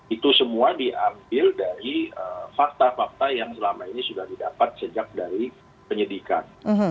itu semua diambil dari fakta fakta yang selama ini sudah didapat sejak dari penyidikan